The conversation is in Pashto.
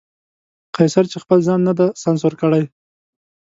قیصر چې خپل ځان نه دی سانسور کړی.